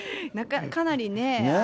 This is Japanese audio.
かなりね。